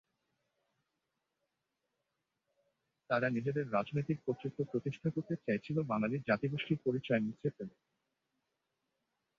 তারা নিজেদের রাজনৈতিক কর্তৃত্ব প্রতিষ্ঠিত করতে চেয়েছিল বাঙালি জাতিগোষ্ঠীর পরিচয় মুছে ফেলে।